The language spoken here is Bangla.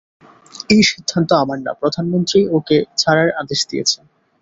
এই সিদ্ধান্ত আমার না, প্রধানমন্ত্রী ওকে ছাড়ার আদেশ দিয়েছেন।